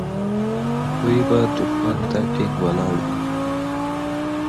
دوی به دښمن ته ټینګ ولاړ وي.